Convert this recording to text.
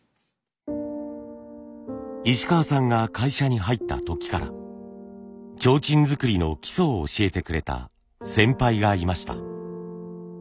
石川さんが会社に入った時から提灯作りの基礎を教えてくれた先輩がいました。